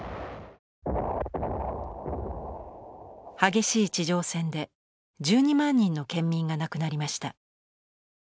激しい地上戦で１２万人の県民が亡くなりました。